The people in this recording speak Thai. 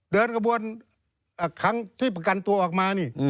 เดินกระบวนครั้งที่ประกันตัวออกมานี่